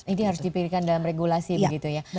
ini harus dipilihkan dalam regulasi begitu ya